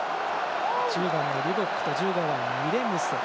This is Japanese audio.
１０番のリボックと１５番、ウィレムセ。